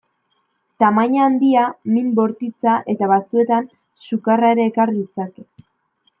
Tamaina handia, min bortitza eta batzuetan sukarra ere ekar ditzake.